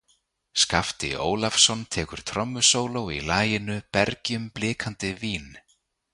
Skapti Ólafsson tekur trommusóló í laginu „Bergjum blikandi vín“.